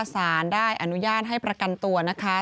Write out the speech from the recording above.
สารได้อนุญาตให้ประกันตัวนะคะ